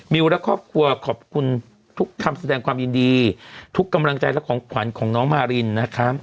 และครอบครัวขอบคุณทุกคำแสดงความยินดีทุกกำลังใจและของขวัญของน้องมารินนะครับ